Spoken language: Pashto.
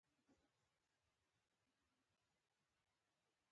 احمد شاه بابا د دښمن پر وړاندي قوي دریځ غوره کړ.